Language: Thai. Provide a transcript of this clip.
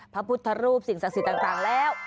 พระพุทธรูปสิ่งศักดิ์สิทธิ์ต่างแล้ว